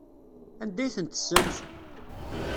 Anda ay tent-tessenz?